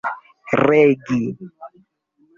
regi